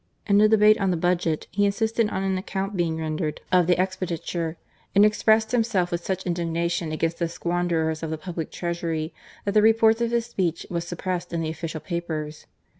In the debate on the Budget, he insisted on an account being rendered of the expenditure, and expressed himself with such indignation against the squan derers of the Public Treasury, that the reports of his speech was suppressed in the official papers.